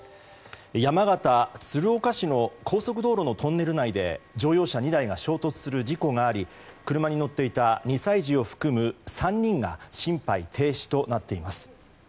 山形・鶴岡市の高速道路のトンネル内で乗用車２台が衝突する事故があり車に乗っていた２歳児を含む３人が心肺停止となっています。